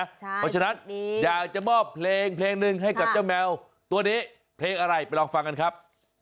เพราะฉะนั้นอยากจะมอบเพลงเพลงหนึ่งให้กับเจ้าแมวตัวนี้เพลงอะไรไปลองฟังกันครับ